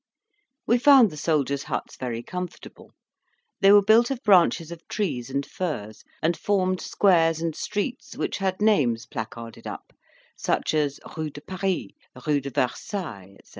We found the soldiers' huts very comfortable; they were built of branches of trees and furze, and formed squares and streets, which had names placarded up, such as Rue de Paris, Rue de Versailles, &c.